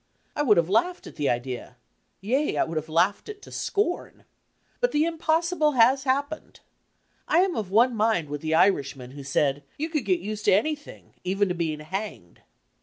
I would have laughed at the idea, yea, I would have laughed it to scom. But the impossible has happened. I am of one mind with die Irishman who said you could get used to anything, even to being hanged!